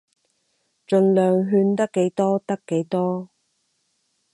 儘量勸得幾多得幾多